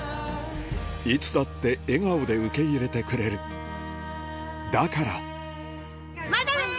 いつだって笑顔で受け入れてくれるだからまたね！